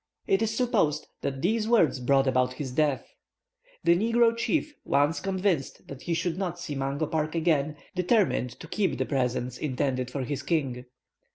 It is supposed that these words brought about his death. The negro chief, once convinced that he should not see Mungo Park again, determined to keep the presents intended for his king.